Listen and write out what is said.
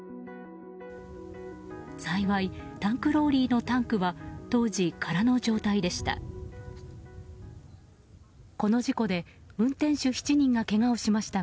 幸い、タンクローリーのタンクは当時、空の状態でした。